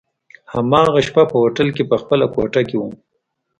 هماغه شپه په هوټل کي په خپله کوټه کي وو.